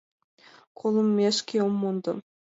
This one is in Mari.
Колымешкем ом мондо.